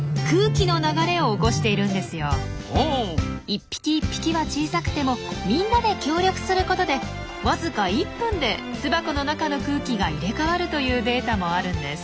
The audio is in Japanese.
一匹一匹は小さくてもみんなで協力することでわずか１分で巣箱の中の空気が入れかわるというデータもあるんです。